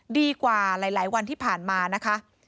ดีกว่าหลายวันที่ผ่านมานะคะ